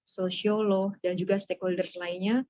sosial law dan juga stakeholders lainnya